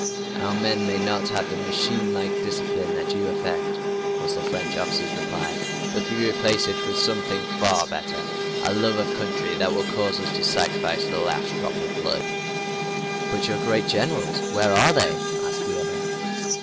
"Our men may not have the machine like discipline that you affect," was the French officer's reply. "But we replace it with something far better a love of country that will cause us to sacrifice the last drop of blood." "But your great Generals where are they?" asked the other.